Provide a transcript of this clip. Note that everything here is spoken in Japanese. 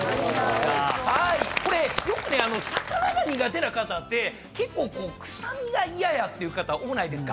これよくね魚が苦手な方って結構臭みが嫌やっていう方多くないですか？